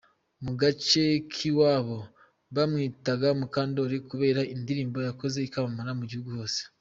Mu gace k’iwabo, bamwitaga Mukandori, kubera indirimbo yakoze ikamamara mu gihugu hose.